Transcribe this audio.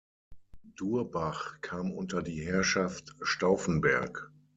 Durbach kam unter die Herrschaft Staufenberg.